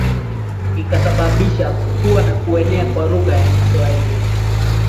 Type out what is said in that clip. ikasabababisha kukua na kuenea kwa lugha ya Kiswahili